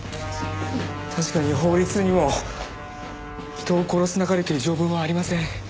確かに法律にも「人を殺すなかれ」という条文はありません。